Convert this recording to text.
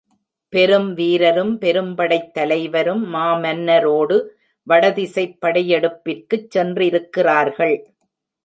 பெரும்வீரரும் பெரும்படைத் தலைவரும் மாமன்னரோடு வடதிசைப் படையெடுப்பிற்குச் சென்றிருக்கிறார்கள்.